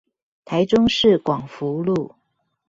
台中市廣福路